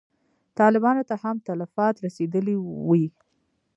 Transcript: طالبانو ته هم تلفات رسېدلي وي.